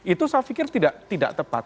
itu saya pikir tidak tepat